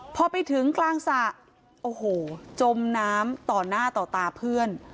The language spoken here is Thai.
พอไปถึงกลางสระโอ้โหจมน้ำต่อหน้าต่อตาเพื่อน